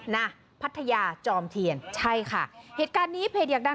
นะพัทยาจอมเทียนใช่ค่ะเหตุการณ์นี้เพจอยากดัง